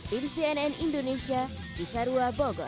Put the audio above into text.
dbc nn indonesia cisarua bogor